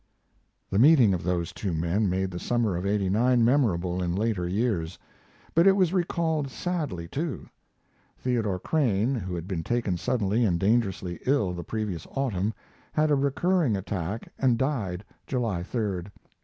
The meeting of those two men made the summer of '89 memorable in later years. But it was recalled sadly, too. Theodore Crane, who had been taken suddenly and dangerously ill the previous autumn, had a recurring attack and died July 3d.